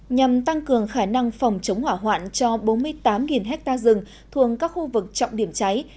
nhằm tăng cường khả năng phòng chống hỏa hoạn cho bốn mươi tám ha rừng thuồng các khu vực trọng điểm cháy